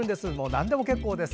なんでも結構です。